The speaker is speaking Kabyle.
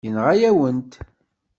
Yenɣa-yawen-t.